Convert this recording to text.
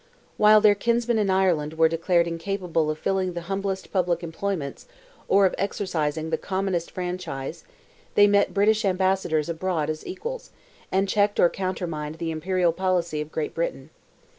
While their kinsmen in Ireland were declared incapable of filling the humblest public employments, or of exercising the commonest franchise, they met British ambassadors abroad as equals, and checked or countermined the imperial policy of Great Britain.